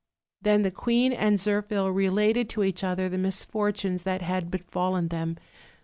Then the queen and Zirphil related to each other the misfortunes that had befallen them.